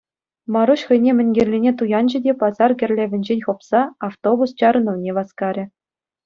Маруҫ хӑйне мӗн кирлине туянчӗ те пасар кӗрлевӗнчен хӑпса автобус чарӑнӑвне васкарӗ.